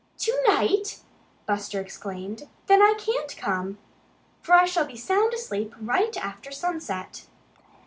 "To night!" Buster exclaimed. "Then I can't come. For I shall be sound asleep right after sunset."